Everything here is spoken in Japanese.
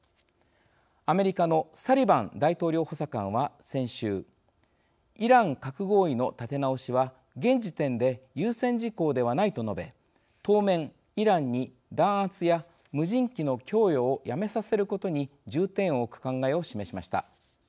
アメリカのサリバン大統領補佐官は先週「イラン核合意の立て直しは現時点で優先事項ではない」と述べ、当面イランに弾圧や無人機の供与をやめさせることに重点を置く考えを示しました。